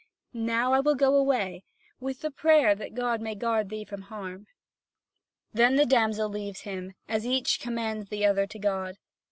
Now I will go away, with the prayer that God may guard thee from harm." Then the damsel leaves him, as each commends the other to God.